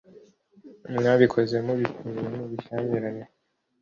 mwabikoze mubitewe n'ubushyamirane